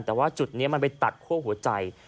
แต่ว่าจุดนี้มันไปตัดคั่วหัวใจ